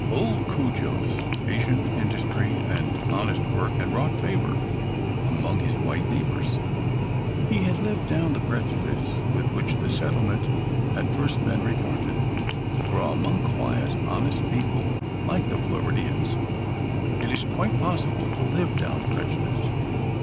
Old Cudjo's patient industry and honest work had wrought favor among his white neighbors. He had lived down the prejudice with which the settlement had first been regarded; for among quiet, honest people like the Floridians, it is quite possible to live down prejudice.